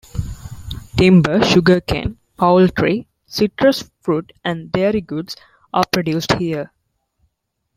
Timber, sugarcane, poultry, citrus fruit and dairy goods are produced here.